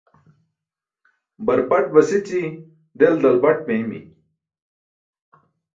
Barpaṭ basići, del dalbat meymi